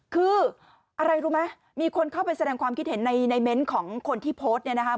คืออะไรรู้ไหมมีคนเข้าไปแสดงความคิดเห็นในเมนต์ของคนที่โพสต์เนี่ยนะคะ